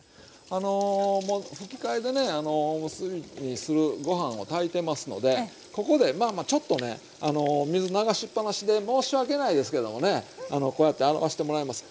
あのもうふきかえでねおむすびにするご飯を炊いてますのでここでちょっとね水流しっぱなしで申し訳ないですけどもねこうやって洗わしてもらいます。